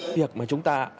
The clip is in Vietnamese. việc mà chúng ta